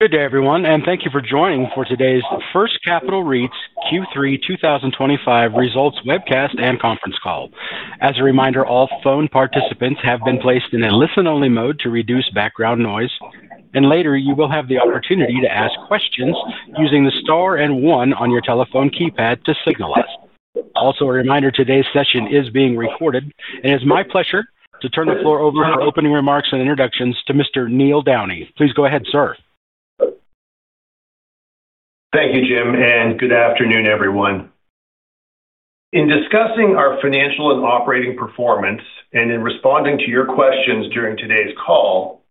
Good day, everyone, and thank you for joining for today's First Capital REIT's Q3 2025 results webcast and conference call. As a reminder, all phone participants have been placed in a listen-only mode to reduce background noise, and later you will have the opportunity to ask questions using the star and one on your telephone keypad to signal us. Also, a reminder, today's session is being recorded, and it is my pleasure to turn the floor over for opening remarks and introductions to Mr. Neil Downey. Please go ahead, sir. Thank you, Jim, and good afternoon, everyone. In discussing our financial and operating performance and in responding to your questions during today's call,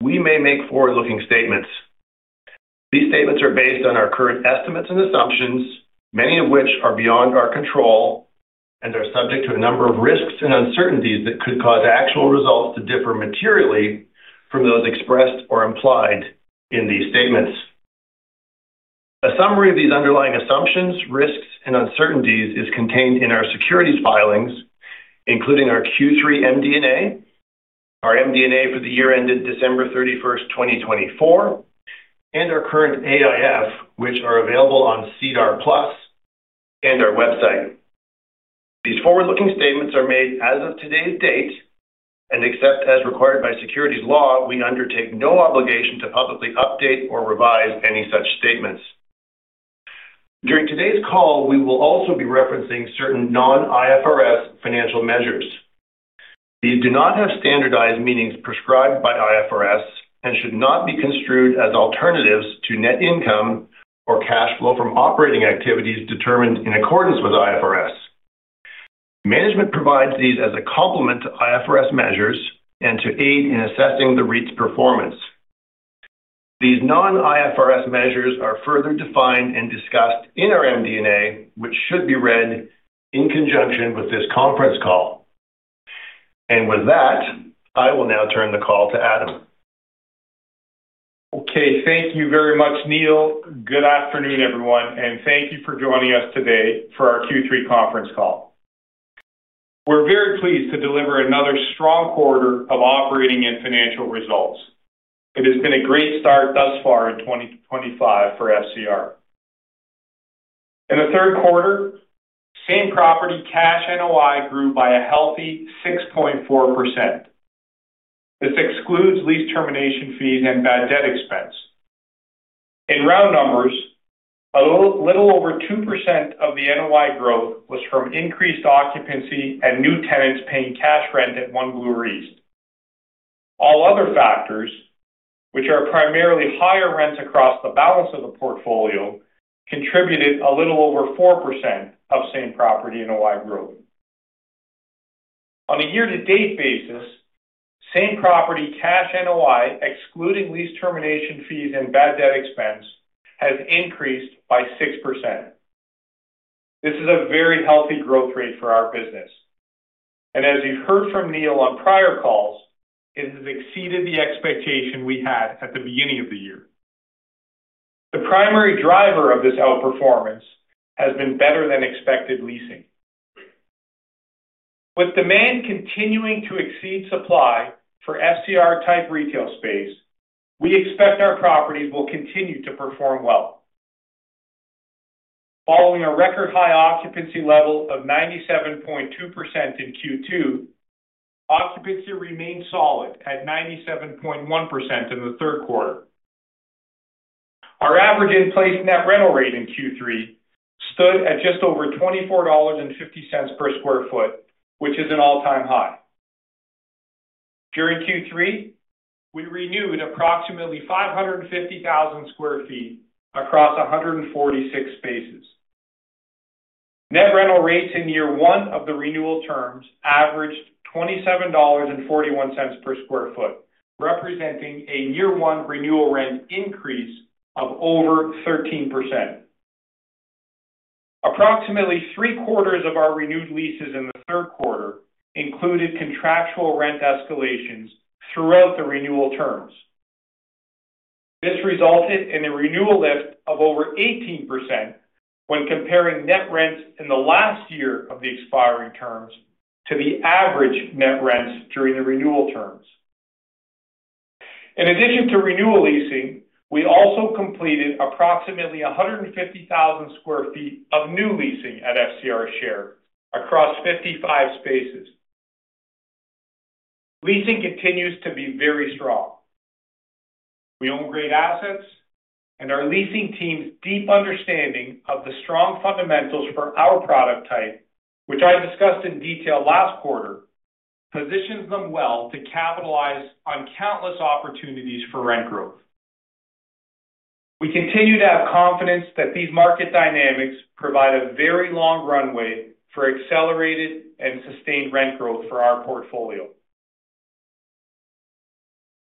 we may make forward-looking statements. These statements are based on our current estimates and assumptions, many of which are beyond our control, and they're subject to a number of risks and uncertainties that could cause actual results to differ materially from those expressed or implied in these statements. A summary of these underlying assumptions, risks, and uncertainties is contained in our securities filings, including our Q3 MD&A, our MD&A for the year ended December 31, 2024, and our current AIF, which are available on SEDAR+ and our website. These forward-looking statements are made as of today's date, and except as required by securities law, we undertake no obligation to publicly update or revise any such statements. During today's call, we will also be referencing certain non-IFRS financial measures. These do not have standardized meanings prescribed by IFRS and should not be construed as alternatives to net income or cash flow from operating activities determined in accordance with IFRS. Management provides these as a complement to IFRS measures and to aid in assessing the REIT's performance. These non-IFRS measures are further defined and discussed in our MD&A, which should be read in conjunction with this conference call. I will now turn the call to Adam. Okay. Thank you very much, Neil. Good afternoon, everyone, and thank you for joining us today for our Q3 conference call. We're very pleased to deliver another strong quarter of operating and financial results. It has been a great start thus far in 2025 for FCR. In the third quarter, same property cash NOI grew by a healthy 6.4%. This excludes lease termination fees and bad debt expense. In round numbers, a little over 2% of the NOI growth was from increased occupancy and new tenants paying cash rent at One Blue Reef. All other factors, which are primarily higher rents across the balance of the portfolio, contributed a little over 4% of same property NOI growth. On a year-to-date basis, same property cash NOI, excluding lease termination fees and bad debt expense, has increased by 6%. This is a very healthy growth rate for our business. As you have heard from Neil on prior calls, it has exceeded the expectation we had at the beginning of the year. The primary driver of this outperformance has been better-than-expected leasing. With demand continuing to exceed supply for FCR-type retail space, we expect our properties will continue to perform well. Following a record-high occupancy level of 97.2% in Q2, occupancy remained solid at 97.1% in the third quarter. Our average in-place net rental rate in Q3 stood at just over $24.50 per sq ft, which is an all-time high. During Q3, we renewed approximately 550,000 sq ft across 146 spaces. Net rental rates in year one of the renewal terms averaged $27.41 per sq ft, representing a year-one renewal rent increase of over 13%. Approximately three-quarters of our renewed leases in the third quarter included contractual rent escalations throughout the renewal terms. This resulted in a renewal lift of over 18% when comparing net rents in the last year of the expiry terms to the average net rents during the renewal terms. In addition to renewal leasing, we also completed approximately 150,000 sq ft of new leasing at FCR across 55 spaces. Leasing continues to be very strong. We own great assets, and our leasing team's deep understanding of the strong fundamentals for our product type, which I discussed in detail last quarter, positions them well to capitalize on countless opportunities for rent growth. We continue to have confidence that these market dynamics provide a very long runway for accelerated and sustained rent growth for our portfolio.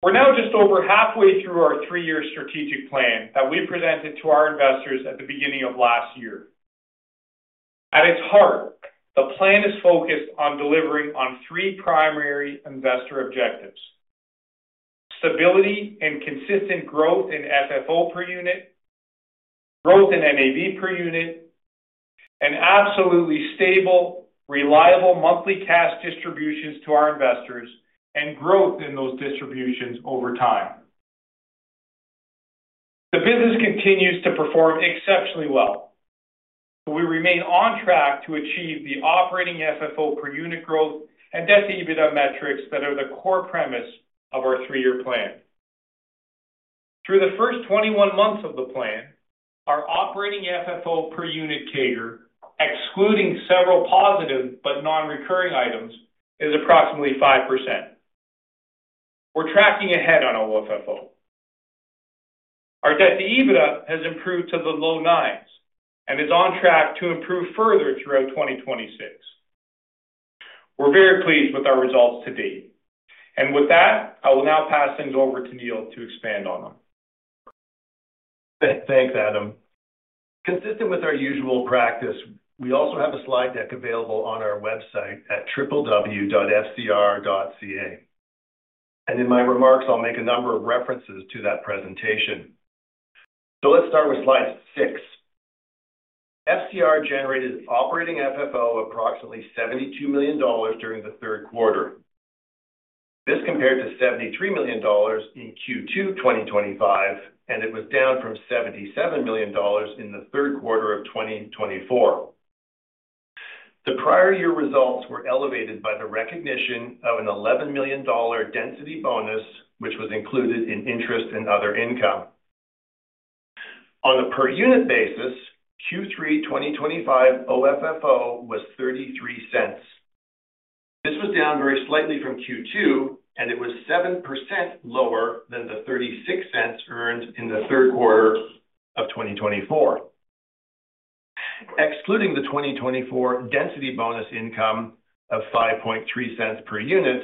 We're now just over halfway through our three-year strategic plan that we presented to our investors at the beginning of last year. At its heart, the plan is focused on delivering on three primary investor objectives. Stability and consistent growth in FFO per unit. Growth in NAV per unit. Absolutely stable, reliable monthly cash distributions to our investors and growth in those distributions over time. The business continues to perform exceptionally well. We remain on track to achieve the operating FFO per unit growth and Debt-to-EBITDA metrics that are the core premise of our three-year plan. Through the first 21 months of the plan, our operating FFO per unit CAGR, excluding several positive but non-recurring items, is approximately 5%. We're tracking ahead on our FFO. Our Debt-to-EBITDA has improved to the low 9s and is on track to improve further throughout 2026. We're very pleased with our results to date. With that, I will now pass things over to Neil to expand on them. Thanks, Adam. Consistent with our usual practice, we also have a slide deck available on our website at www.fcr.ca. In my remarks, I'll make a number of references to that presentation. Let's start with slide six. FCR generated operating FFO of approximately $72 million during the third quarter. This compared to $73 million in Q2 2025, and it was down from $77 million in the third quarter of 2024. The prior year results were elevated by the recognition of an $11 million density bonus, which was included in interest and other income. On the per unit basis, Q3 2025 operating FFO was $0.33. This was down very slightly from Q2, and it was 7% lower than the $0.36 earned in the third quarter of 2024. Excluding the 2024 density bonus income of $0.053 per unit,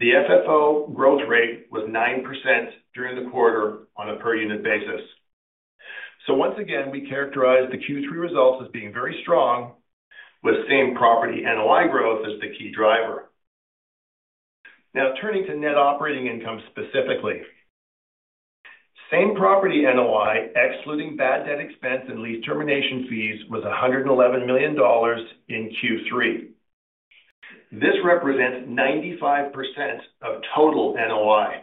the FFO growth rate was 9% during the quarter on a per unit basis. Once again, we characterize the Q3 results as being very strong, with same property NOI growth as the key driver. Now, turning to net operating income specifically. Same property NOI, excluding bad debt expense and lease termination fees, was $111 million in Q3. This represents 95% of total NOI.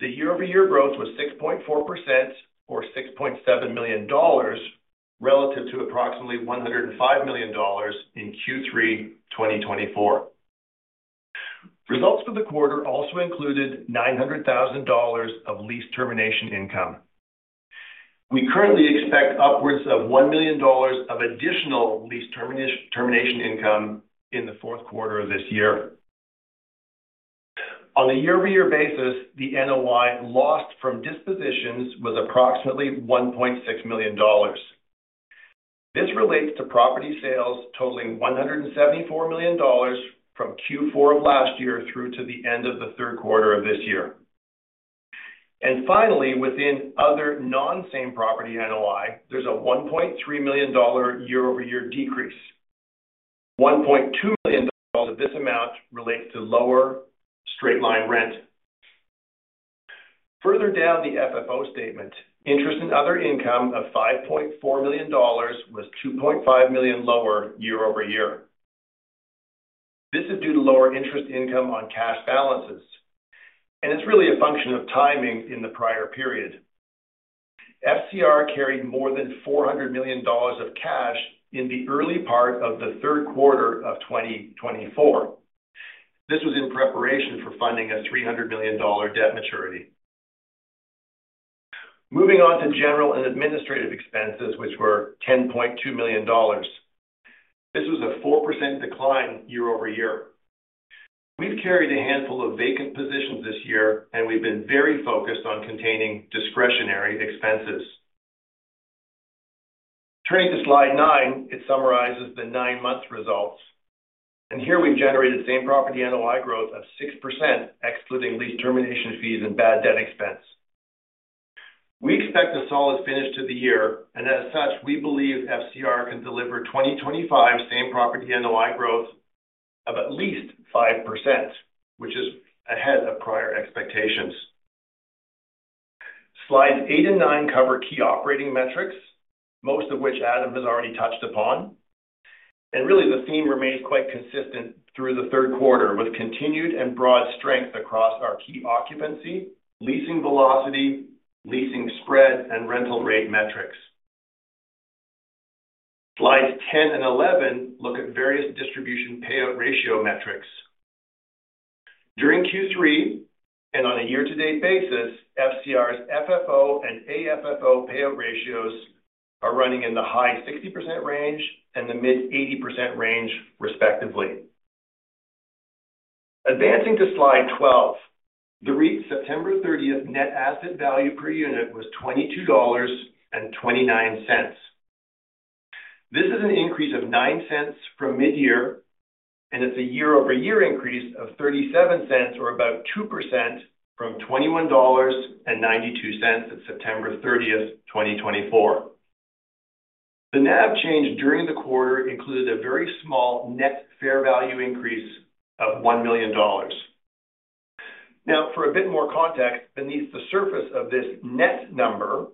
The year-over-year growth was 6.4% or $6.7 million, relative to approximately $105 million in Q3 2023. Results for the quarter also included $900,000 of lease termination income. We currently expect upwards of $1 million of additional lease termination income in the fourth quarter of this year. On a year-over-year basis, the NOI lost from dispositions was approximately $1.6 million. This relates to property sales totaling $174 million from Q4 of last year through to the end of the third quarter of this year. Finally, within other non-same property NOI, there is a $1.3 million year-over-year decrease. $1.2 million of this amount relates to lower straight-line rent. Further down the FFO statement, interest and other income of $5.4 million was $2.5 million lower year-over-year. This is due to lower interest income on cash balances. It is really a function of timing in the prior period. FCR carried more than $400 million of cash in the early part of the third quarter of 2024. This was in preparation for funding a $300 million debt maturity. Moving on to general and administrative expenses, which were $10.2 million. This was a 4% decline year-over-year. We have carried a handful of vacant positions this year, and we have been very focused on containing discretionary expenses. Turning to slide nine, it summarizes the nine-month results. Here we have generated same property NOI growth of 6%, excluding lease termination fees and bad debt expense. We expect a solid finish to the year, and as such, we believe FCR can deliver 2025 same property NOI growth of at least 5%, which is ahead of prior expectations. Slides eight and nine cover key operating metrics, most of which Adam has already touched upon. Really, the theme remains quite consistent through the third quarter with continued and broad strength across our key occupancy, leasing velocity, leasing spread, and rental rate metrics. Slides 10 and 11 look at various distribution payout ratio metrics. During Q3 and on a year-to-date basis, FCR's FFO and AFFO payout ratios are running in the high 60% range and the mid-80% range, respectively. Advancing to slide 12, the REIT's September 30th net asset value per unit was $22.29. This is an increase of $0.09 from mid-year, and it's a year-over-year increase of $0.37, or about 2% from $21.92 at September 30th, 2024. The NAV change during the quarter included a very small net fair value increase of $1 million. Now, for a bit more context, beneath the surface of this net number.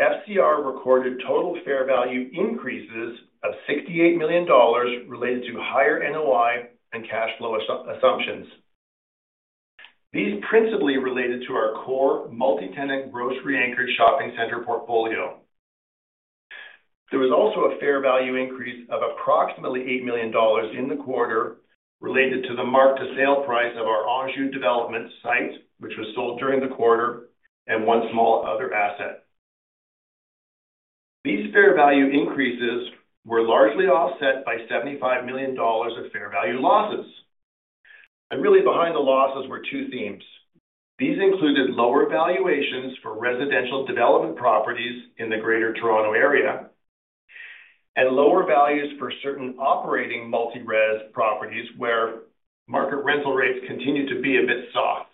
FCR recorded total fair value increases of $68 million related to higher NOI and cash flow assumptions. These principally related to our core multi-tenant grocery-anchored shopping center portfolio. There was also a fair value increase of approximately $8 million in the quarter related to the marked-to-sale price of our Anjou development site, which was sold during the quarter, and one small other asset. These fair value increases were largely offset by $75 million of fair value losses. Really, behind the losses were two themes. These included lower valuations for residential development properties in the Greater Toronto Area and lower values for certain operating multi-res properties where market rental rates continue to be a bit soft.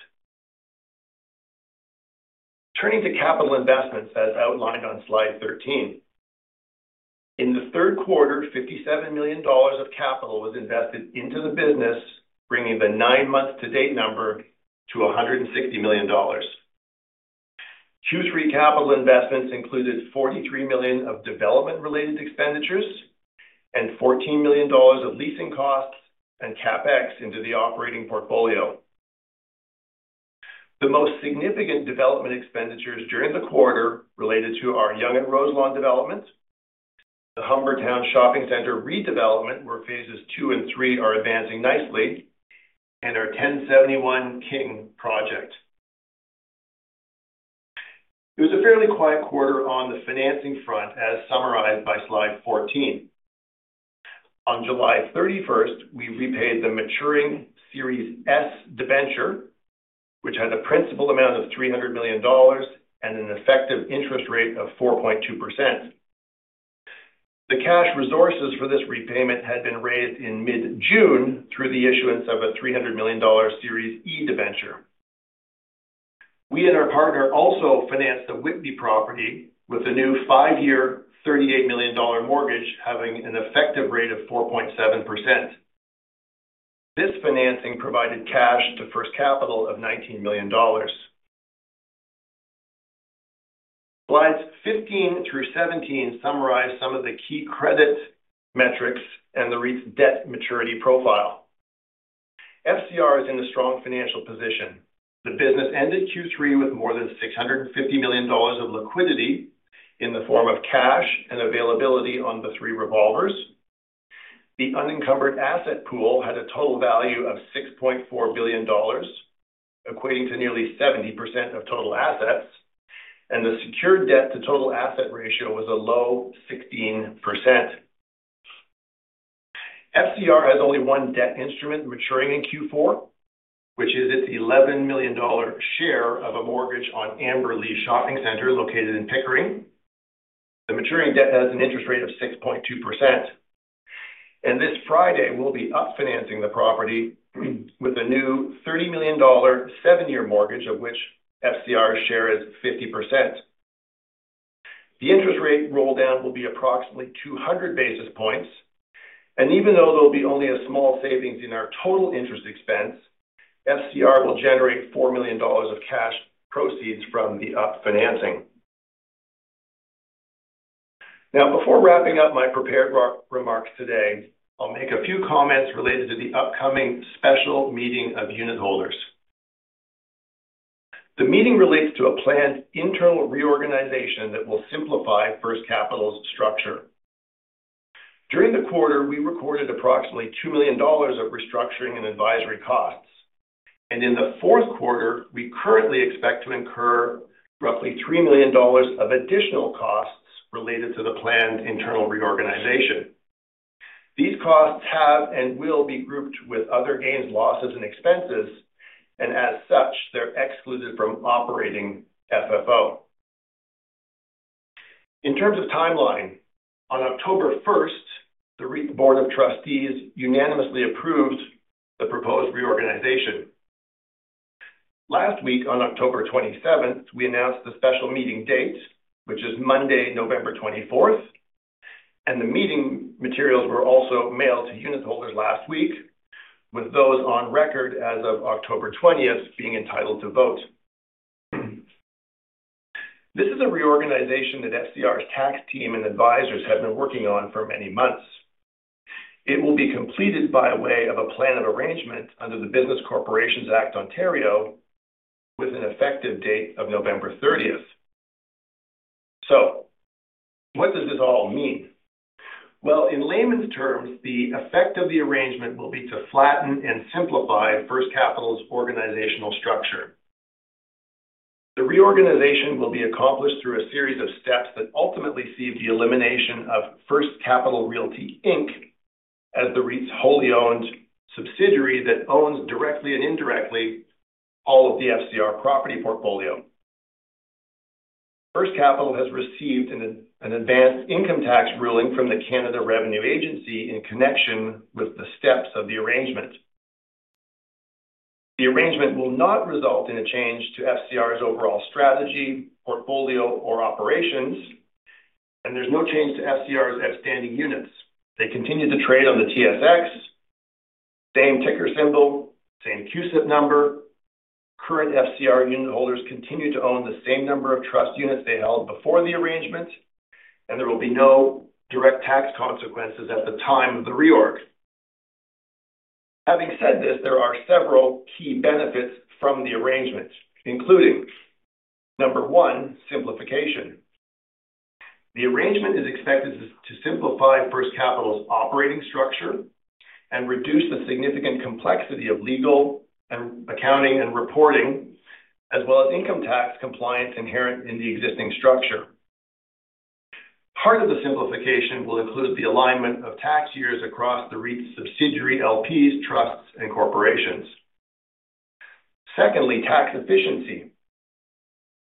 Turning to capital investments, as outlined on slide 13. In the third quarter, $57 million of capital was invested into the business, bringing the nine-month-to-date number to $160 million. Q3 capital investments included $43 million of development-related expenditures and $14 million of leasing costs and CapEx into the operating portfolio. The most significant development expenditures during the quarter related to our Yonge & Roselawn development, the Humbertown Shopping Centre redevelopment, where phases two and three are advancing nicely, and our 1071 King project. It was a fairly quiet quarter on the financing front, as summarized by slide 14. On July 31st, we repaid the maturing Series S Debenture, which had a principal amount of $300 million and an effective interest rate of 4.2%. The cash resources for this repayment had been raised in mid-June through the issuance of a $300 million Series E Debenture. We and our partner also financed the Whitby property with a new five-year, $38 million mortgage, having an effective rate of 4.7%. This financing provided cash to First Capital of $19 million. Slides 15 through 17 summarize some of the key credit metrics and the REIT's debt maturity profile. FCR is in a strong financial position. The business ended Q3 with more than $650 million of liquidity in the form of cash and availability on the three revolvers. The unencumbered asset pool had a total value of $6.4 billion. Equating to nearly 70% of total assets, and the secured debt-to-total asset ratio was a low 16%. FCR has only one debt instrument maturing in Q4, which is its $11 million share of a mortgage on Amberlea Shopping Centre located in Pickering. The maturing debt has an interest rate of 6.2%. This Friday, we'll be up-financing the property with a new $30 million seven-year mortgage, of which FCR's share is 50%. The interest rate roll-down will be approximately 200 basis points. Even though there'll be only a small savings in our total interest expense, FCR will generate $4 million of cash proceeds from the up-financing. Now, before wrapping up my prepared remarks today, I'll make a few comments related to the upcoming special meeting of unitholders. The meeting relates to a planned internal reorganization that will simplify First Capital's structure. During the quarter, we recorded approximately $2 million of restructuring and advisory costs. In the fourth quarter, we currently expect to incur roughly $3 million of additional costs related to the planned internal reorganization. These costs have and will be grouped with other gains, losses, and expenses, and as such, they're excluded from operating FFO. In terms of timeline, on October 1st, the REIT Board of Trustees unanimously approved the proposed reorganization. Last week, on October 27th, we announced the special meeting date, which is Monday, November 24th. The meeting materials were also mailed to unit holders last week, with those on record as of October 20th being entitled to vote. This is a reorganization that FCR's tax team and advisors have been working on for many months. It will be completed by way of a plan of arrangement under the Business Corporations Act, Ontario, with an effective date of November 30th. What does this all mean? In layman's terms, the effect of the arrangement will be to flatten and simplify First Capital's organizational structure. The reorganization will be accomplished through a series of steps that ultimately see the elimination of First Capital Realty as the REIT's wholly owned subsidiary that owns directly and indirectly all of the FCR property portfolio. First Capital has received an advanced income tax ruling from the Canada Revenue Agency in connection with the steps of the arrangement. The arrangement will not result in a change to FCR's overall strategy, portfolio, or operations. There's no change to FCR's outstanding units. They continue to trade on the TSX. Same ticker symbol, same CUSIP number. Current FCR unit holders continue to own the same number of trust units they held before the arrangement, and there will be no direct tax consequences at the time of the reorg. Having said this, there are several key benefits from the arrangement, including. Number one, simplification. The arrangement is expected to simplify First Capital's operating structure and reduce the significant complexity of legal and accounting and reporting, as well as income tax compliance inherent in the existing structure. Part of the simplification will include the alignment of tax years across the REIT's subsidiary LPs, trusts, and corporations. Secondly, tax efficiency.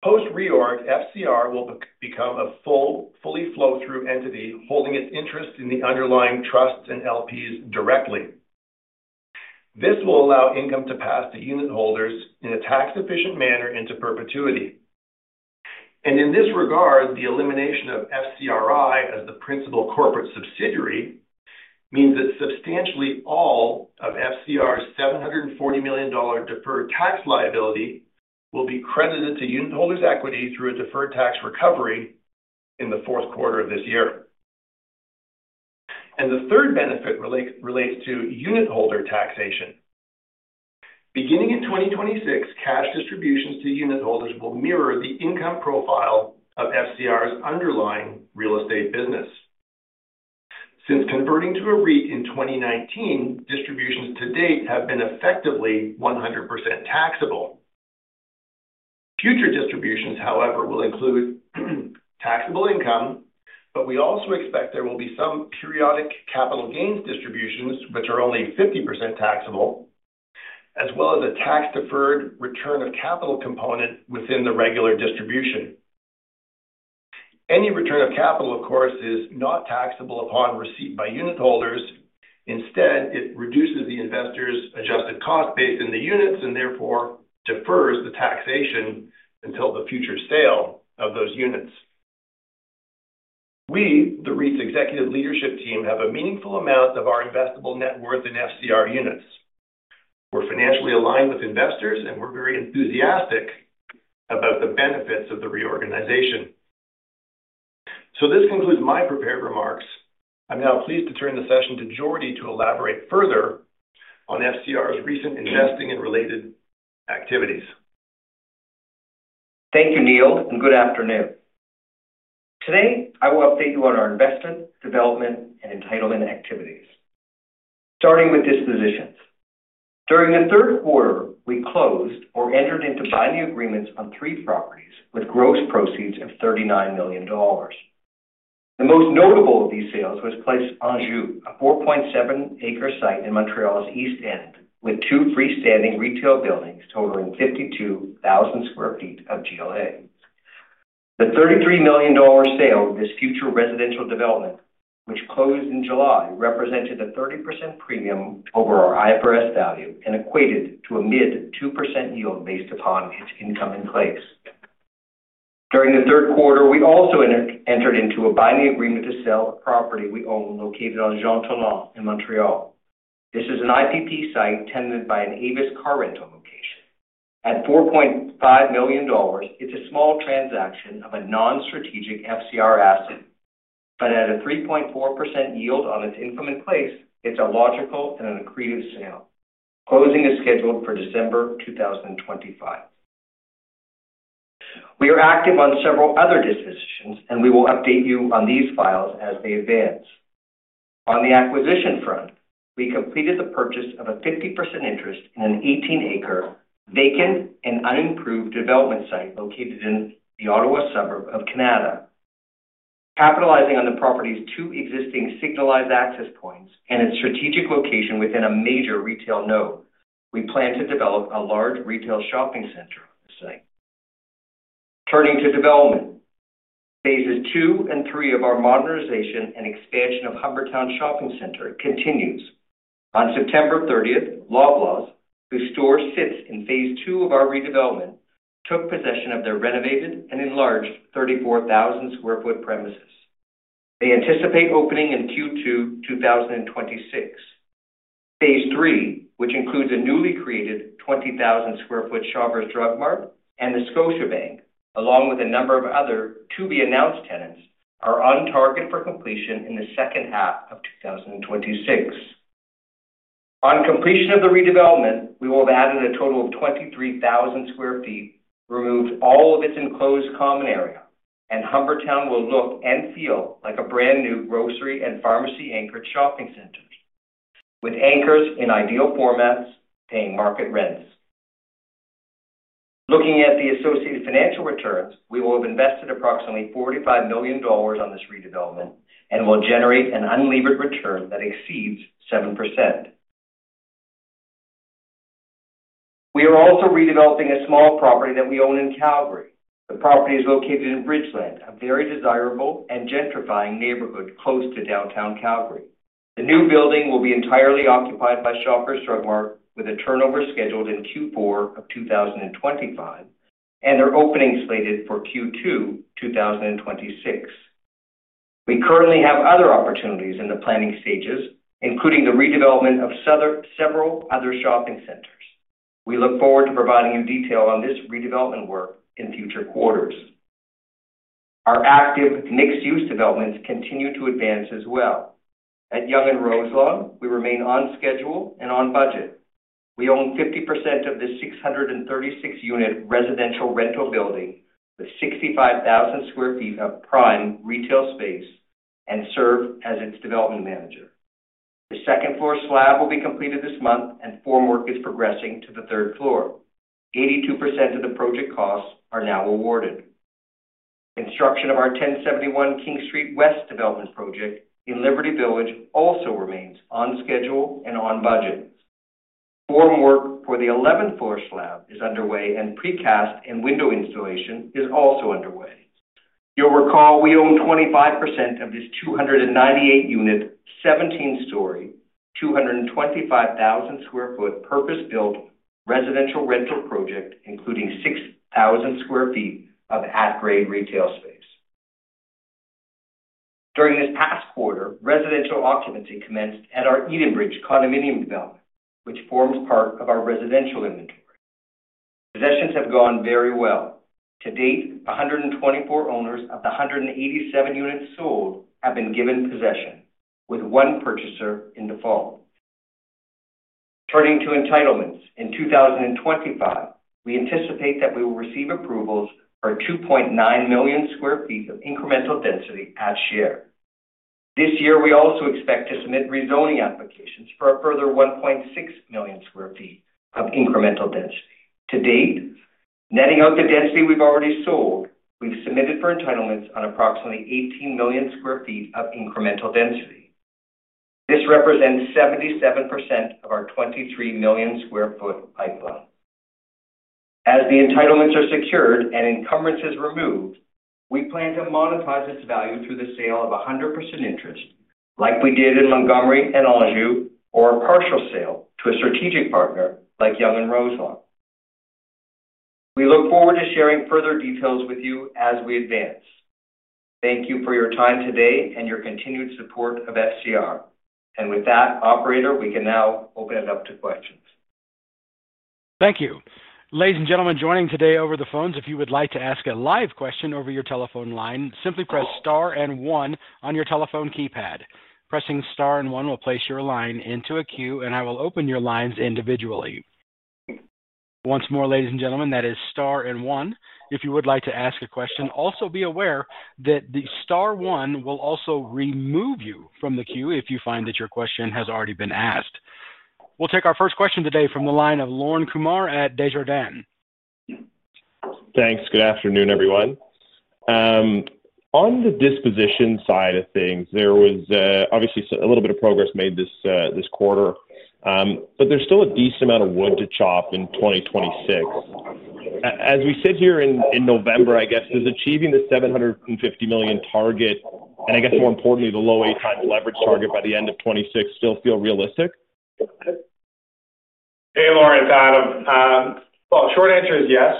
Post-reorg, FCR will become a fully flow-through entity holding its interest in the underlying trusts and LPs directly. This will allow income to pass to unit holders in a tax-efficient manner into perpetuity. In this regard, the elimination of FCRI as the principal corporate subsidiary means that substantially all of FCR's $740 million deferred tax liability will be credited to unit holders' equity through a deferred tax recovery in the fourth quarter of this year. The third benefit relates to unit holder taxation. Beginning in 2026, cash distributions to unit holders will mirror the income profile of FCR's underlying real estate business. Since converting to a REIT in 2019, distributions to date have been effectively 100% taxable. Future distributions, however, will include taxable income, but we also expect there will be some periodic capital gains distributions, which are only 50% taxable, as well as a tax-deferred return of capital component within the regular distribution. Any return of capital, of course, is not taxable upon receipt by unit holders. Instead, it reduces the investor's adjusted cost base in the units and therefore defers the taxation until the future sale of those units. We, the REIT's executive leadership team, have a meaningful amount of our investable net worth in FCR units. We're financially aligned with investors, and we're very enthusiastic about the benefits of the reorganization. This concludes my prepared remarks. I'm now pleased to turn the session to Jordy to elaborate further on FCR's recent investing and related activities. Thank you, Neil, and good afternoon. Today, I will update you on our investment, development, and entitlement activities. Starting with dispositions. During the third quarter, we closed or entered into binding agreements on three properties with gross proceeds of $39 million. The most notable of these sales was Place Anjou, a 4.7-acre site in Montreal's East End, with two freestanding retail buildings totaling 52,000 sq ft of GLA. The $33 million sale of this future residential development, which closed in July, represented a 30% premium over our IFRS value and equated to a mid-2% yield based upon its incoming place. During the third quarter, we also entered into a binding agreement to sell a property we own located on Jean-Talon in Montreal. This is an IPP site tenanted by an Avis car rental location. At $4.5 million, it's a small transaction of a non-strategic FCR asset, but at a 3.4% yield on its incoming place, it's a logical and an accretive sale. Closing is scheduled for December 2025. We are active on several other dispositions, and we will update you on these files as they advance. On the acquisition front, we completed the purchase of a 50% interest in an 18-acre vacant and unimproved development site located in the Ottawa suburb of Kanata. Capitalizing on the property's two existing signalized access points and its strategic location within a major retail node, we plan to develop a large retail shopping center on the site. Turning to development. Phases two and three of our modernization and expansion of Humbertown Shopping Centre continues. On September 30th, Loblaws, whose store sits in phase two of our redevelopment, took possession of their renovated and enlarged 34,000 sq ft premises. They anticipate opening in Q2 2026. Phase three, which includes a newly created 20,000 sq ft Shoppers Drug Mart and the Scotiabank, along with a number of other to-be-announced tenants, are on target for completion in the second half of 2026. On completion of the redevelopment, we will have added a total of 23,000 sq ft, removed all of its enclosed common area, and Humbertown will look and feel like a brand new grocery and pharmacy-anchored shopping center, with anchors in ideal formats paying market rents. Looking at the associated financial returns, we will have invested approximately $45 million on this redevelopment and will generate an unlevered return that exceeds 7%. We are also redeveloping a small property that we own in Calgary. The property is located in Bridgeland, a very desirable and gentrifying neighborhood close to downtown Calgary. The new building will be entirely occupied by Shoppers Drug Mart, with a turnover scheduled in Q4 of 2025, and their opening slated for Q2 2026. We currently have other opportunities in the planning stages, including the redevelopment of several other shopping centers. We look forward to providing you detail on this redevelopment work in future quarters. Our active mixed-use developments continue to advance as well. At Yonge & Roselawn, we remain on schedule and on budget. We own 50% of the 636-unit residential rental building with 65,000 sq ft of prime retail space and serve as its development manager. The second-floor slab will be completed this month, and formwork is progressing to the third floor. 82% of the project costs are now awarded. Construction of our 1071 King Street West development project in Liberty Village also remains on schedule and on budget. Formwork for the 11-floor slab is underway, and precast and window installation is also underway. You'll recall we own 25% of this 298-unit 17-story, 225,000 sq ft purpose-built residential rental project, including 6,000 sq ft of at-grade retail space. During this past quarter, residential occupancy commenced at our Edenbridge Condominium development, which forms part of our residential inventory. Possessions have gone very well. To date, 124 owners of the 187 units sold have been given possession, with one purchaser in default. Turning to entitlements, in 2025, we anticipate that we will receive approvals for 2.9 million sq ft of incremental density at share. This year, we also expect to submit rezoning applications for a further 1.6 million sq ft of incremental density. To date, netting out the density we have already sold, we have submitted for entitlements on approximately 18 million sq ft of incremental density. This represents 77% of our 23 million sq ft pipeline. As the entitlements are secured and encumbrances removed, we plan to monetize its value through the sale of 100% interest, like we did in Montgomery and Anjou, or a partial sale to a strategic partner like Yonge & Roselawn. We look forward to sharing further details with you as we advance. Thank you for your time today and your continued support of FCR. With that, operator, we can now open it up to questions. Thank you. Ladies and gentlemen joining today over the phones, if you would like to ask a live question over your telephone line, simply press star and one on your telephone keypad. Pressing star and one will place your line into a queue, and I will open your lines individually. Once more, ladies and gentlemen, that is star and one. If you would like to ask a question, also be aware that the star one will also remove you from the queue if you find that your question has already been asked. We'll take our first question today from the line of Lauren Kumar at Desjardins. Thanks. Good afternoon, everyone. On the disposition side of things, there was obviously a little bit of progress made this quarter, but there's still a decent amount of wood to chop in 2026. As we sit here in November, I guess, does achieving the $750 million target and, I guess, more importantly, the low eight times leverage target by the end of 2026 still feel realistic? Hey, Lauren it's Adam. Short answer is yes.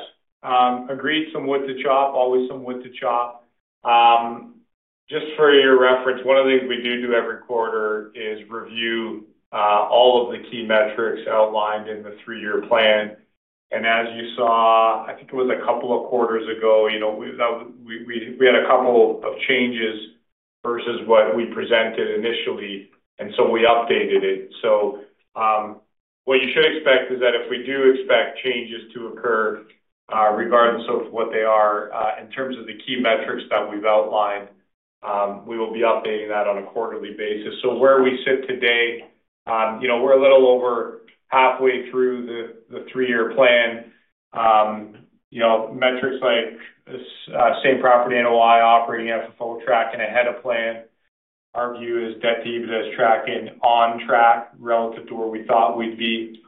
Agreed, some wood to chop, always some wood to chop. Just for your reference, one of the things we do do every quarter is review. All of the key metrics outlined in the three-year plan. As you saw, I think it was a couple of quarters ago. We had a couple of changes versus what we presented initially, and we updated it. What you should expect is that if we do expect changes to occur, regardless of what they are, in terms of the key metrics that we've outlined, we will be updating that on a quarterly basis. Where we sit today, we're a little over halfway through the three-year plan. Metrics like same property NOI operating as a full track and ahead of plan. Our view is Debt-to-EBITDA is tracking on track relative to where we thought we'd be.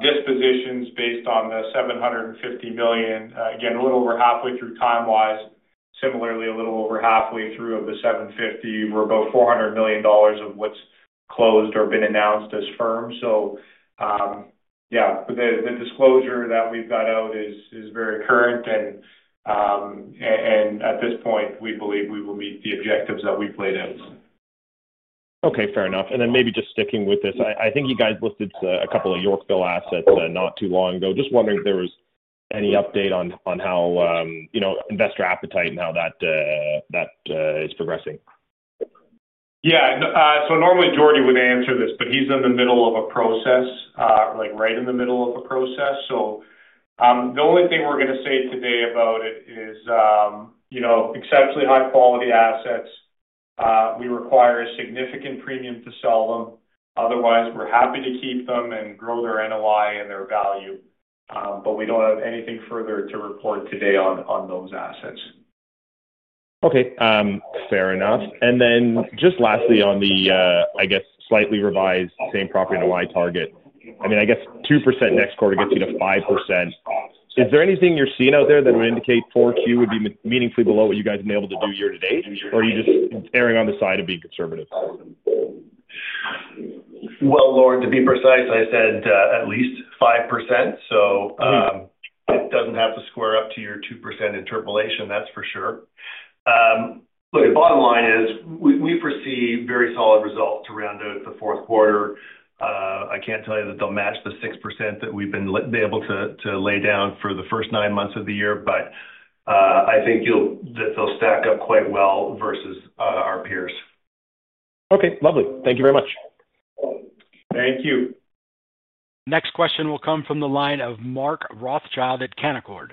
Dispositions based on the $750 million, again, a little over halfway through time-wise. Similarly, a little over halfway through of the 750, we're about $400 million of what's closed or been announced as firm. Yeah, the disclosure that we've got out is very current, and at this point, we believe we will meet the objectives that we've laid out. Okay, fair enough. Maybe just sticking with this, I think you guys listed a couple of Yorkville assets not too long ago. Just wondering if there was any update on how investor appetite and how that is progressing. Yeah. Normally, Jordy would answer this, but he's in the middle of a process, right in the middle of a process. The only thing we're going to say today about it is exceptionally high-quality assets. We require a significant premium to sell them. Otherwise, we're happy to keep them and grow their NOI and their value, but we do not have anything further to report today on those assets. Okay. Fair enough. And then just lastly, on the, I guess, slightly revised same property NOI target, I mean, I guess 2% next quarter gets you to 5%. Is there anything you're seeing out there that would indicate 4Q would be meaningfully below what you guys have been able to do year to date? Or are you just erring on the side of being conservative? Lauren, to be precise, I said at least 5%. It does not have to square up to your 2% interpolation, that's for sure. Look, the bottom line is we foresee very solid results to round out the fourth quarter. I can't tell you that they'll match the 6% that we've been able to lay down for the first nine months of the year, but I think that they'll stack up quite well versus our peers. Okay. Lovely. Thank you very much. Thank you. Next question will come from the line of Mark Rothschild at Canaccord.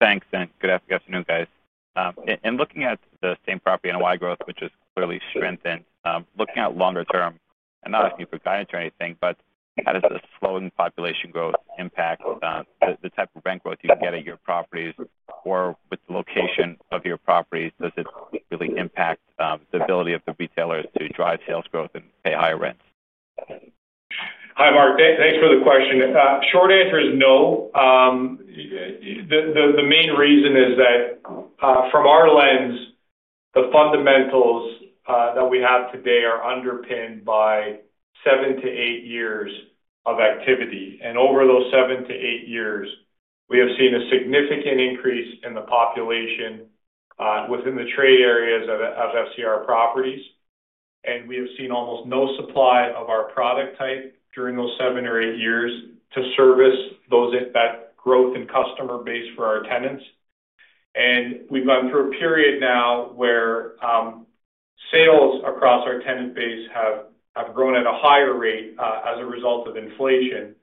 Thanks. Good afternoon, guys. In looking at the same property NOI growth, which has clearly strengthened, looking at longer term, I'm not asking you for guidance or anything, but how does the slowing population growth impact the type of rent growth you can get at your properties? Or with the location of your properties, does it really impact the ability of the retailers to drive sales growth and pay higher rents? Hi, Mark. Thanks for the question. Short answer is no. The main reason is that. From our lens, the fundamentals that we have today are underpinned by seven to eight years of activity. Over those seven to eight years, we have seen a significant increase in the population within the trade areas of FCR properties. We have seen almost no supply of our product type during those seven or eight years to service that growth in customer base for our tenants. We have gone through a period now where sales across our tenant base have grown at a higher rate as a result of inflation.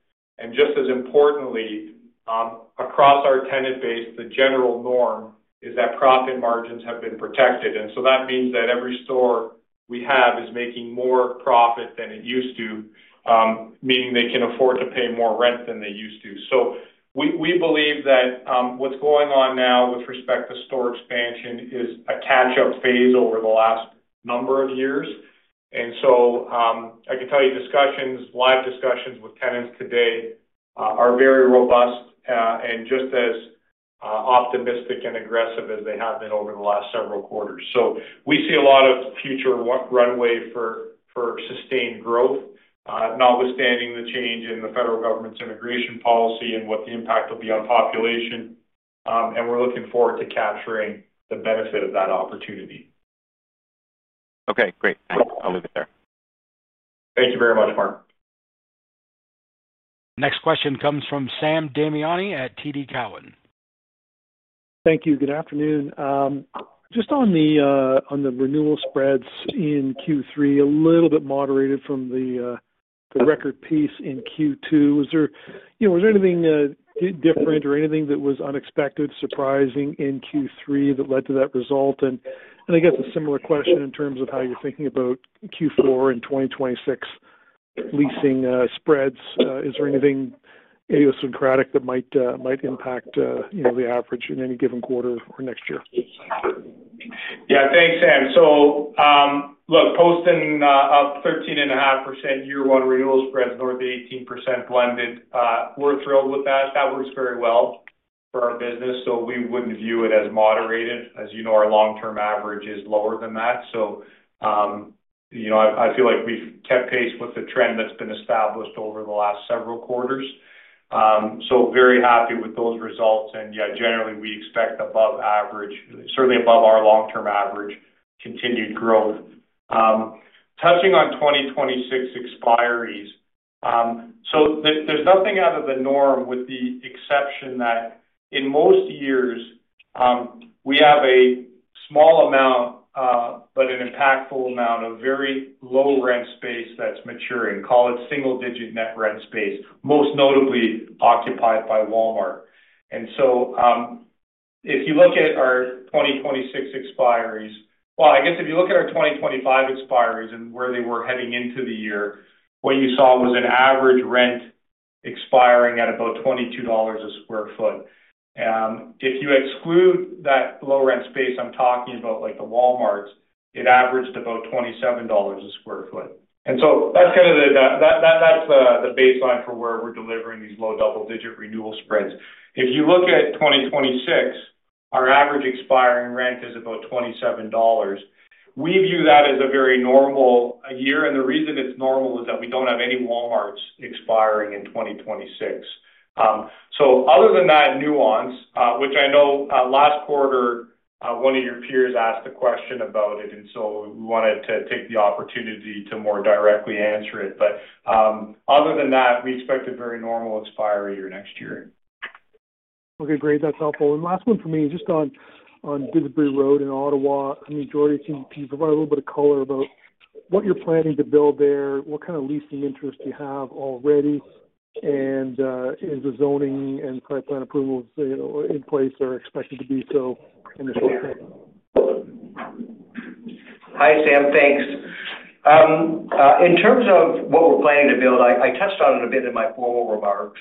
Just as importantly, across our tenant base, the general norm is that profit margins have been protected. That means that every store we have is making more profit than it used to, meaning they can afford to pay more rent than they used to. We believe that what's going on now with respect to store expansion is a catch-up phase over the last number of years. I can tell you discussions, live discussions with tenants today are very robust and just as optimistic and aggressive as they have been over the last several quarters. We see a lot of future runway for sustained growth, notwithstanding the change in the federal government's immigration policy and what the impact will be on population. We're looking forward to capturing the benefit of that opportunity. Okay. Great. I'll leave it there. Thank you very much, Mark. Next question comes from Sam Damiani at TD Cowen. Thank you. Good afternoon. Just on the renewal spreads in Q3, a little bit moderated from the record piece in Q2. Was there anything different or anything that was unexpected, surprising in Q3 that led to that result? I guess a similar question in terms of how you're thinking about Q4 and 2026. Leasing spreads. Is there anything idiosyncratic that might impact the average in any given quarter or next year? Yeah. Thanks, Sam. Look, posting up 13.5% year-one renewal spreads north of 18% blended, we're thrilled with that. That works very well for our business. We wouldn't view it as moderated. As you know, our long-term average is lower than that. I feel like we've kept pace with the trend that's been established over the last several quarters. Very happy with those results. Yeah, generally, we expect above average, certainly above our long-term average, continued growth. Touching on 2026 expiries, there's nothing out of the norm with the exception that in most years, we have a small amount, but an impactful amount of very low rent space that's maturing. Call it single-digit net rent space, most notably occupied by Walmart. If you look at our 2026 expiries, if you look at our 2025 expiries and where they were heading into the year, what you saw was an average rent expiring at about $22 a sq ft. If you exclude that low rent space I am talking about, like the Walmarts, it averaged about $27 a sq ft. That is kind of the baseline for where we are delivering these low double-digit renewal spreads. If you look at 2026, our average expiring rent is about $27. We view that as a very normal year. The reason it is normal is that we do not have any Walmarts expiring in 2026. Other than that nuance, which I know last quarter one of your peers asked a question about it, and we wanted to take the opportunity to more directly answer it. Other than that, we expect a very normal expiry year next year. Okay. Great. That's helpful. Last one for me, just on Goodbury Road in Ottawa. I mean, Jordy, can you provide a little bit of color about what you're planning to build there, what kind of leasing interest you have already, and is the zoning and site plan approvals in place or expected to be so in the short term? Hi, Sam. Thanks. In terms of what we're planning to build, I touched on it a bit in my formal remarks.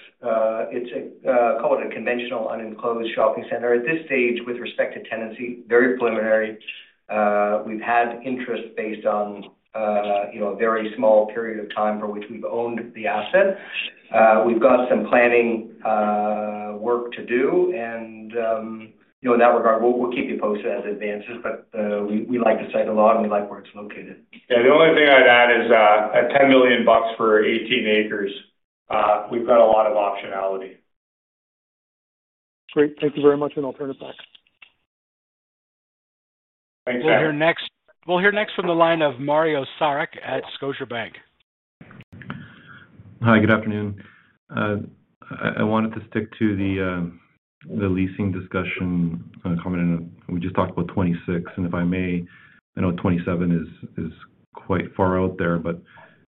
It's called a conventional unenclosed shopping center. At this stage, with respect to tenancy, very preliminary. We've had interest based on. A very small period of time for which we've owned the asset. We've got some planning work to do. In that regard, we'll keep you posted as it advances, but we like the site a lot, and we like where it's located. Yeah. The only thing I'd add is at $10 million for 18 acres, we've got a lot of optionality. Great. Thank you very much, and I'll turn it back. Thanks, Sam. We'll hear next from the line of Mario Saric at Scotiabank. Hi. Good afternoon. I wanted to stick to the leasing discussion comment. We just talked about 2026. And if I may, I know 2027 is quite far out there, but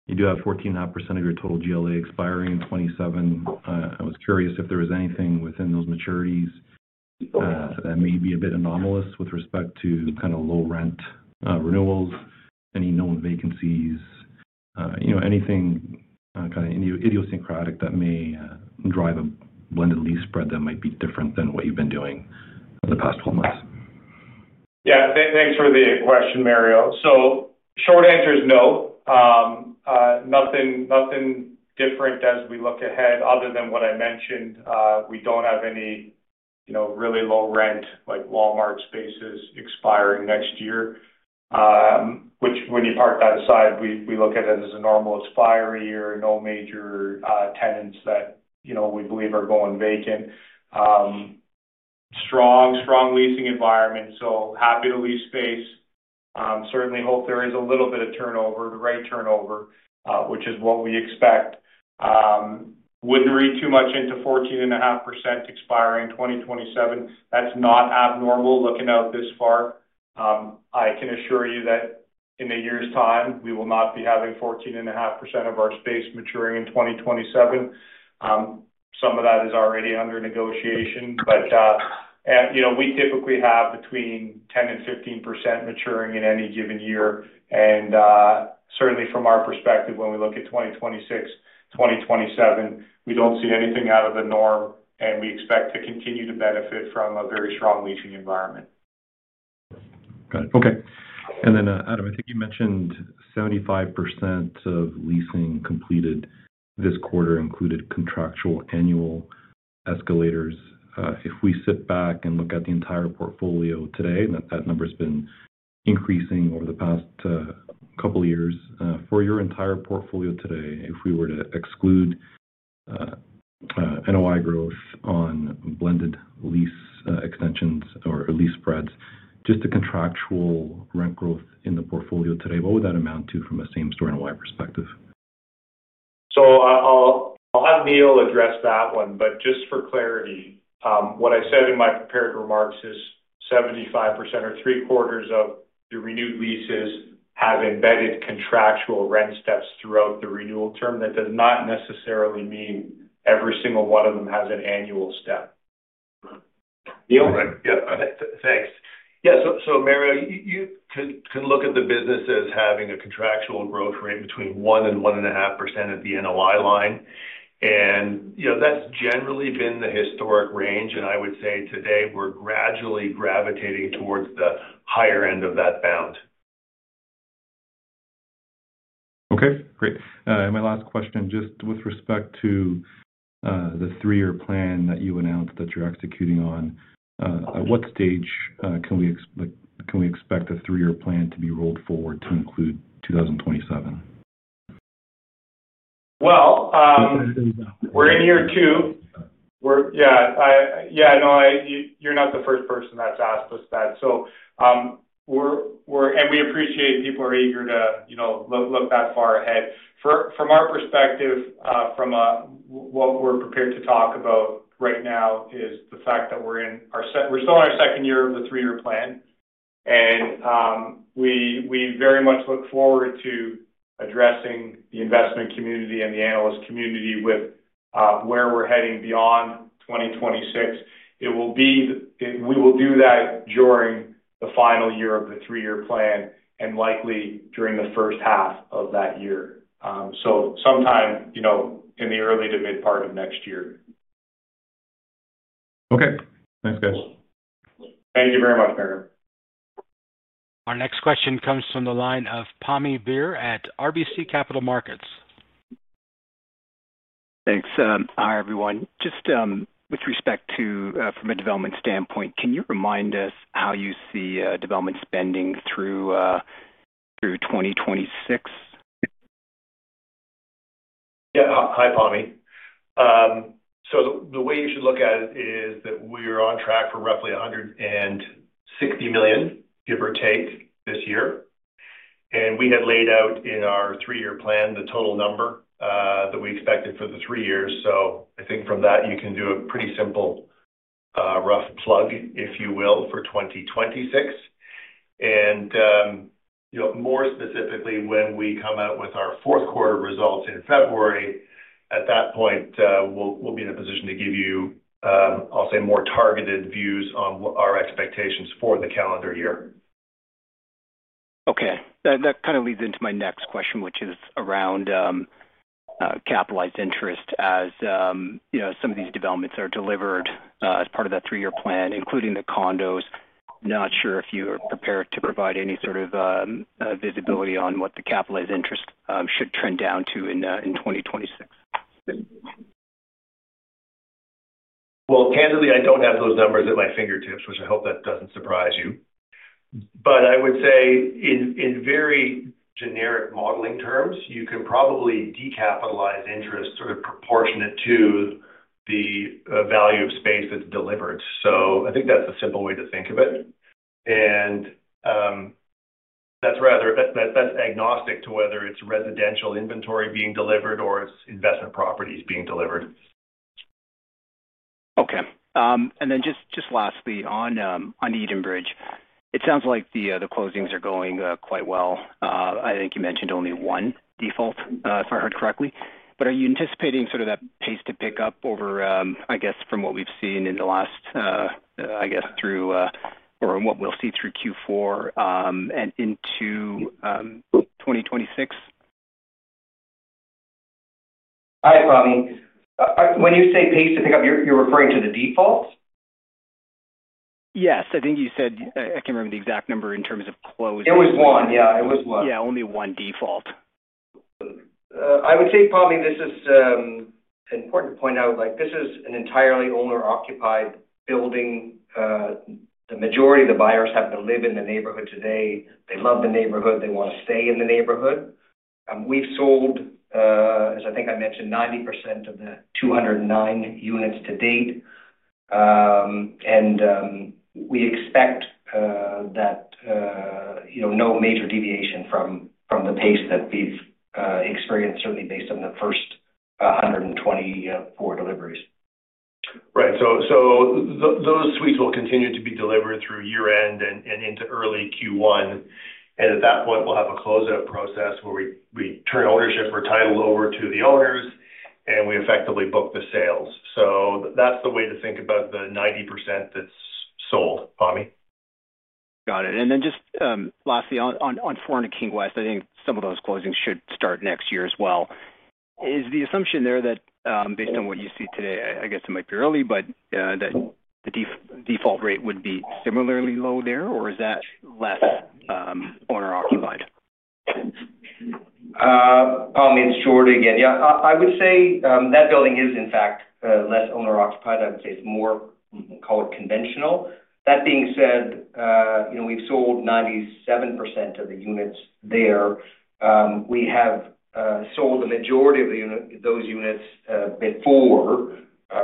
you do have 14.5% of your total GLA expiring in 2027. I was curious if there was anything within those maturities. That may be a bit anomalous with respect to kind of low rent renewals, any known vacancies. Anything kind of idiosyncratic that may drive a blended lease spread that might be different than what you've been doing the past 12 months? Yeah. Thanks for the question, Mario. Short answer is no. Nothing different as we look ahead other than what I mentioned. We do not have any really low rent, like Walmart spaces expiring next year. Which, when you park that aside, we look at it as a normal expiry year, no major tenants that we believe are going vacant. Strong leasing environment, happy to lease space. Certainly hope there is a little bit of turnover, the right turnover, which is what we expect. Would not read too much into 14.5% expiring 2027. That is not abnormal looking out this far. I can assure you that in a year's time, we will not be having 14.5% of our space maturing in 2027. Some of that is already under negotiation. We typically have between 10-15% maturing in any given year. Certainly, from our perspective, when we look at 2026, 2027, we do not see anything out of the norm, and we expect to continue to benefit from a very strong leasing environment. Got it. Okay. Adam, I think you mentioned 75% of leasing completed this quarter included contractual annual escalators. If we sit back and look at the entire portfolio today, that number has been increasing over the past couple of years. For your entire portfolio today, if we were to exclude NOI growth on blended lease extensions or lease spreads, just the contractual rent growth in the portfolio today, what would that amount to from a same-store NOI perspective? I'll have Neil address that one. Just for clarity, what I said in my prepared remarks is 75% or three-quarters of the renewed leases have embedded contractual rent steps throughout the renewal term. That does not necessarily mean every single one of them has an annual step. Neil? Yeah. Thanks. Yeah. Mario, you can look at the business as having a contractual growth rate between 1-1.5% of the NOI line. That has generally been the historic range. I would say today, we're gradually gravitating towards the higher end of that bound. Okay. Great. My last question, just with respect to the three-year plan that you announced that you're executing on. At what stage can we. Expect a three-year plan to be rolled forward to include 2027? We are in year two. Yeah. Yeah. You are not the first person that has asked us that. We appreciate people are eager to look that far ahead. From our perspective, what we are prepared to talk about right now is the fact that we are still in our second year of the three-year plan. We very much look forward to addressing the investment community and the analyst community with where we are heading beyond 2026. We will do that during the final year of the three-year plan and likely during the first half of that year, so sometime in the early to mid part of next year. Okay. Thanks, guys. Thank you very much, Mario. Our next question comes from the line of Tommy Veer at RBC Capital Markets. Thanks. Hi, everyone. Just with respect to from a development standpoint, can you remind us how you see development spending through 2026? Yeah. Hi, Tommy. The way you should look at it is that we are on track for roughly $160 million, give or take, this year. We had laid out in our three-year plan the total number that we expected for the three years. I think from that, you can do a pretty simple, rough plug, if you will, for 2026. More specifically, when we come out with our fourth quarter results in February, at that point, we will be in a position to give you, I'll say, more targeted views on our expectations for the calendar year. Okay. That kind of leads into my next question, which is around capitalized interest as some of these developments are delivered as part of that three-year plan, including the condos. Not sure if you are prepared to provide any sort of visibility on what the capitalized interest should trend down to in 2026. Candidly, I do not have those numbers at my fingertips, which I hope that does not surprise you. I would say, in very generic modeling terms, you can probably decapitalize interest sort of proportionate to the value of space that is delivered. I think that is a simple way to think of it. That is agnostic to whether it is residential inventory being delivered or it is investment properties being delivered. Okay. Just lastly, on Edenbridge, it sounds like the closings are going quite well. I think you mentioned only one default, if I heard correctly. Are you anticipating sort of that pace to pick up over, I guess, from what we have seen in the last, I guess, through or what we will see through Q4 and into 2026? Hi, Tommy. When you say pace to pick up, you're referring to the defaults? Yes. I think you said I can't remember the exact number in terms of closing. It was one. Yeah. It was one. Yeah. Only one default. I would say, Tommy, this is important to point out. This is an entirely owner-occupied building. The majority of the buyers happen to live in the neighborhood today. They love the neighborhood. They want to stay in the neighborhood. We've sold, as I think I mentioned, 90% of the 209 units to date. We expect that no major deviation from the pace that we've experienced, certainly based on the first 124 deliveries. Right. Those suites will continue to be delivered through year-end and into early Q1. At that point, we'll have a closeout process where we turn ownership or title over to the owners, and we effectively book the sales. That is the way to think about the 90% that is sold, Tommy. Got it. Lastly, for King West, I think some of those closings should start next year as well. Is the assumption there that, based on what you see today, I guess it might be early, but that the default rate would be similarly low there, or is that less owner-occupied? Tommy is short again. Yeah. I would say that building is, in fact, less owner-occupied. I would say it is more, call it, conventional. That being said, we've sold 97% of the units there. We have sold the majority of those units before,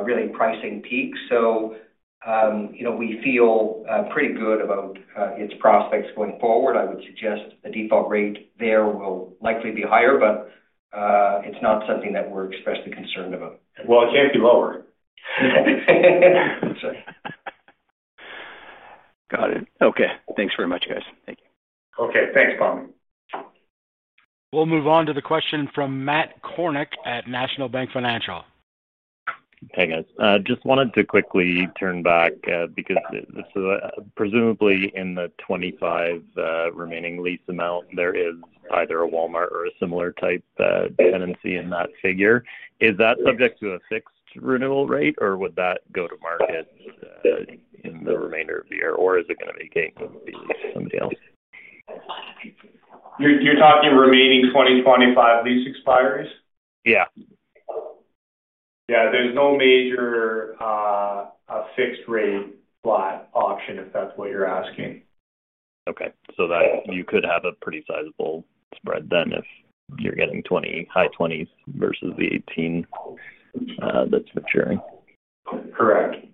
really, pricing peaks. We feel pretty good about its prospects going forward. I would suggest the default rate there will likely be higher, but. It's not something that we're expressly concerned about. It can't be lower. Got it. Okay. Thanks very much, guys. Thank you. Okay. Thanks, Tommy. We'll move on to the question from Matt Kornack at National Bank Financial. Hey, guys. Just wanted to quickly turn back because. Presumably, in the 25 remaining lease amount, there is either a Walmart or a similar type dependency in that figure. Is that subject to a fixed renewal rate, or would that go to market. In the remainder of the year, or is it going to be somebody else? You're talking remaining 2025 lease expiries? Yeah. Yeah. There's no major. Fixed-rate flat auction, if that's what you're asking. Okay. So you could have a pretty sizable spread then if you're getting high 20s versus the 18. That's maturing. Correct.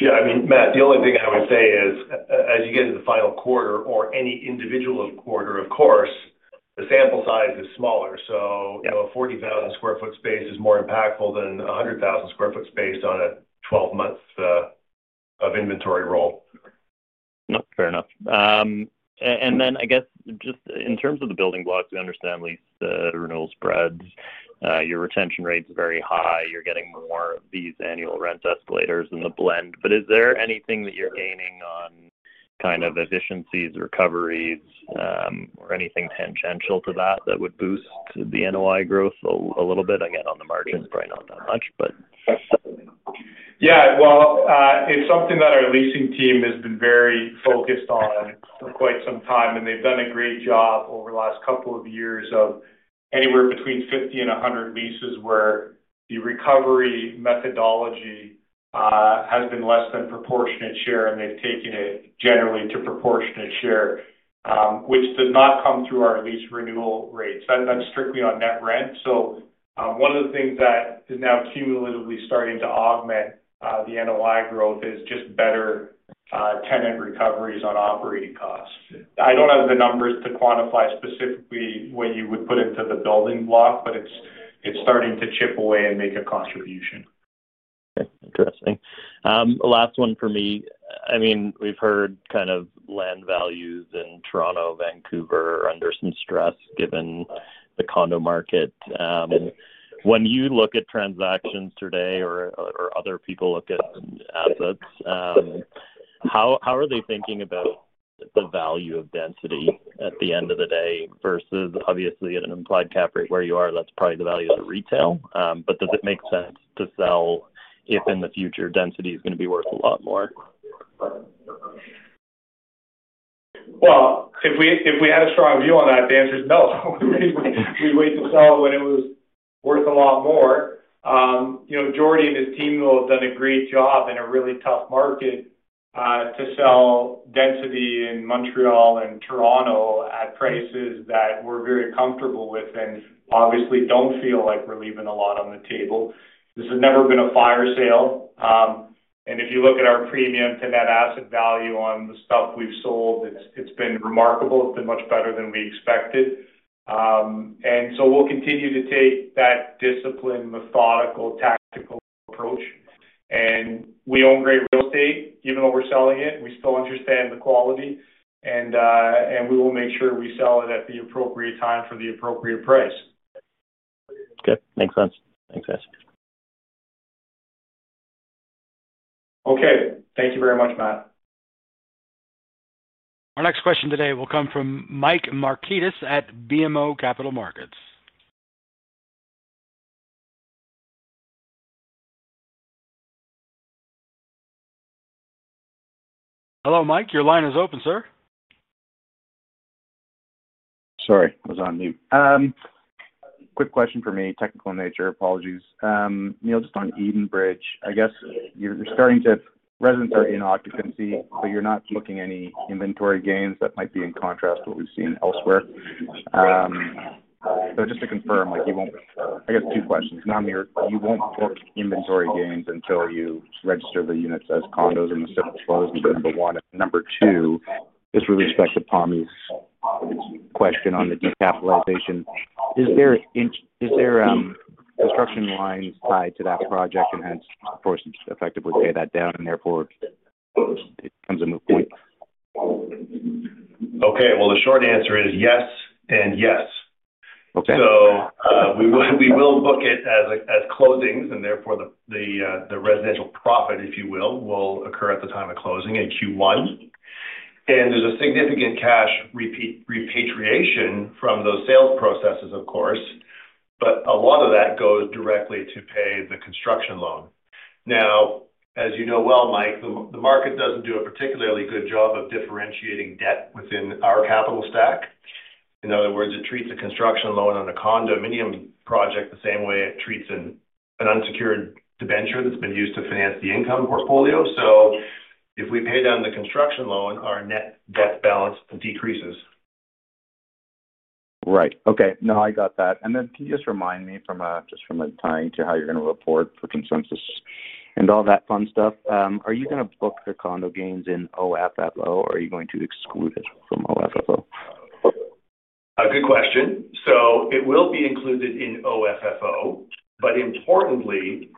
Yeah. I mean, Matt, the only thing I would say is, as you get to the final quarter or any individual quarter, of course, the sample size is smaller. So a 40,000 sq ft space is more impactful than a 100,000 sq ft space on a 12-month inventory roll. Fair enough. I guess, just in terms of the building blocks, we understand lease renewal spreads. Your retention rate is very high. You're getting more of these annual rent escalators in the blend. Is there anything that you're gaining on kind of efficiencies, recoveries, or anything tangential to that that would boost the NOI growth a little bit? Again, on the margins, probably not that much. Yeah. It's something that our leasing team has been very focused on for quite some time. They've done a great job over the last couple of years of anywhere between 50 and 100 leases where the recovery methodology has been less than proportionate share, and they've taken it generally to proportionate share, which did not come through our lease renewal rates. That's strictly on net rent. One of the things that is now cumulatively starting to augment the NOI growth is just better tenant recoveries on operating costs. I don't have the numbers to quantify specifically what you would put into the building block, but it's starting to chip away and make a contribution. Okay. Interesting. Last one for me. I mean, we've heard kind of land values in Toronto, Vancouver under some stress given the condo market. When you look at transactions today or other people look at assets, how are they thinking about the value of density at the end of the day versus, obviously, at an implied cap rate where you are, that's probably the value of the retail? Does it make sense to sell if, in the future, density is going to be worth a lot more? If we had a strong view on that, the answer is no. We wait to sell it when it was worth a lot more. Jordy and his team will have done a great job in a really tough market. To sell density in Montreal and Toronto at prices that we're very comfortable with and obviously don't feel like we're leaving a lot on the table. This has never been a fire sale. If you look at our premium to net asset value on the stuff we've sold, it's been remarkable. It's been much better than we expected. We'll continue to take that disciplined, methodical, tactical approach. We own great real estate. Even though we're selling it, we still understand the quality. We will make sure we sell it at the appropriate time for the appropriate price. Okay. Makes sense. Makes sense. Okay. Thank you very much, Matt. Our next question today will come from Mike Markidis at BMO Capital Markets. Hello, Mike. Your line is open, sir. Sorry. I was on mute. Quick question for me, technical in nature. Apologies. Just on Edenbridge, I guess you're starting to, residents are in occupancy, but you're not booking any inventory gains that might be in contrast to what we've seen elsewhere. Just to confirm, you won't, I guess two questions. One, you won't book inventory gains until you register the units as condos and the sales closed, number one. Number two, just with respect to Tommy's question on the decapitalization, is there construction lines tied to that project and hence, of course, effectively pay that down, and therefore it becomes a moot point? The short answer is yes and yes. We will book it as closings, and therefore, the residential profit, if you will, will occur at the time of closing in Q1. There is a significant cash repatriation from those sales processes, of course, but a lot of that goes directly to pay the construction loan. Now, as you know well, Mike, the market does not do a particularly good job of differentiating debt within our capital stack. In other words, it treats a construction loan on a condominium project the same way it treats an unsecured debenture that has been used to finance the income portfolio. If we pay down the construction loan, our net debt balance decreases. Right. Okay. No, I got that. Can you just remind me, just from a tie-in to how you're going to report for consensus and all that fun stuff, are you going to book the condo gains in OFFO, or are you going to exclude it from OFFO? Good question. It will be included in OFFO, but importantly,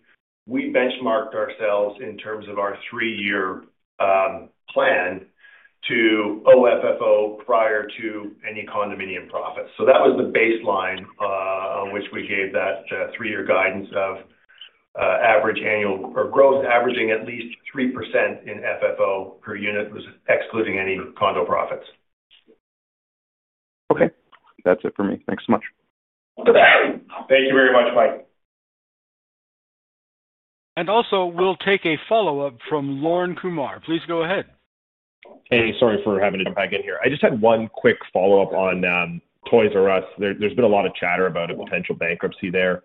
we benchmarked ourselves in terms of our three-year plan to OFFO prior to any condominium profits. That was the baseline on which we gave that three-year guidance of average annual or gross averaging at least 3% in FFO per unit, excluding any condo profits. Okay. That's it for me. Thanks so much. Thank you very much, Mike. Also, we'll take a follow-up from Lauren Kumar. Please go ahead. Hey, sorry for having to jump back in here. I just had one quick follow-up on Toys "R" Us. There's been a lot of chatter about a potential bankruptcy there.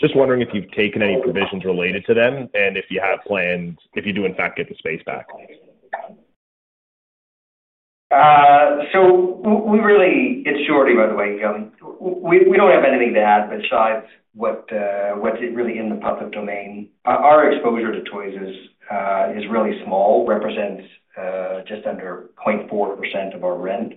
Just wondering if you've taken any provisions related to them and if you have plans, if you do, in fact, get the space back. So it's Jordy, by the way. We don't have anything to add besides what's really in the public domain. Our exposure to Toys is really small, represents just under 0.4% of our rent.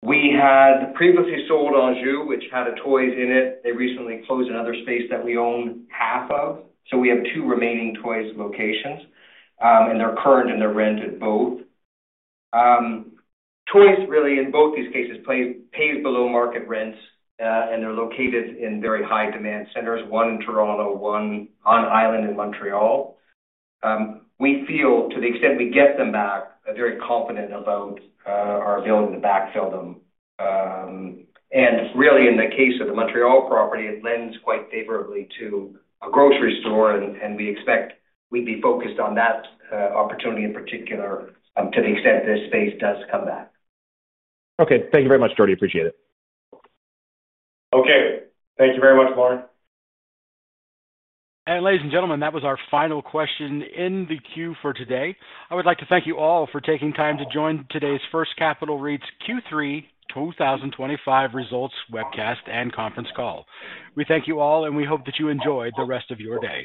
We had previously sold Anjou, which had a Toys in it. They recently closed another space that we own half of. We have two remaining Toys locations, and they're current and they're rented both. Toys really, in both these cases, pays below market rents, and they're located in very high-demand centers, one in Toronto, one on island in Montreal. We feel, to the extent we get them back, very confident about our ability to backfill them. In the case of the Montreal property, it lends quite favorably to a grocery store, and we expect we'd be focused on that opportunity in particular, to the extent this space does come back. Okay. Thank you very much, Jordy. Appreciate it. Okay. Thank you very much, Lauren. Ladies and gentlemen, that was our final question in the queue for today. I would like to thank you all for taking time to join today's First Capital REIT's Q3 2025 results webcast and conference call. We thank you all, and we hope that you enjoy the rest of your day.